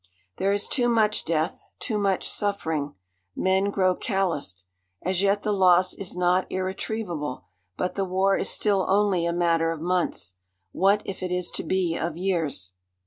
There is too much death, too much suffering. Men grow calloused. As yet the loss is not irretrievable, but the war is still only a matter of months. What if it is to be of years?